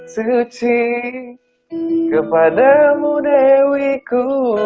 suci kepadamu dewiku